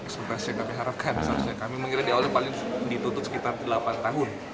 sebetulnya kami harapkan seharusnya kami mengira dia oleh paling ditutup sekitar delapan tahun